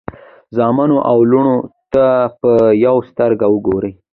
زامنو او لوڼو ته په یوه سترګه وګورئ.